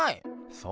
そう。